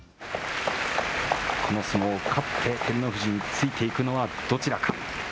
この相撲を勝って、照ノ富士についていくのはどちらか。